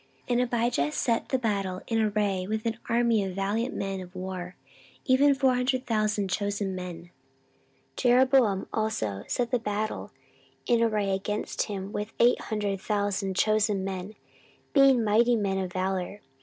14:013:003 And Abijah set the battle in array with an army of valiant men of war, even four hundred thousand chosen men: Jeroboam also set the battle in array against him with eight hundred thousand chosen men, being mighty men of valour.